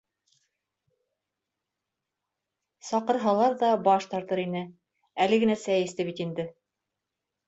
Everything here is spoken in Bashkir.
Саҡырһалар ҙа баш тартыр ине, әле генә сәй эсте бит инде.